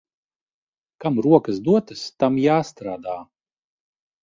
Kam rokas dotas, tam jāstrādā.